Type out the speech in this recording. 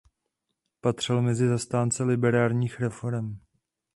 Patřil mezi zastánce liberálních reforem.